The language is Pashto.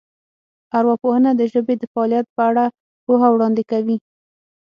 ارواپوهنه د ژبې د فعالیت په اړه پوهه وړاندې کوي